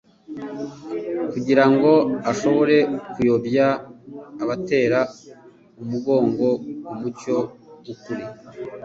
kugira ngo ashobore kuyobya abatera umugongo umucyo w'ukuri.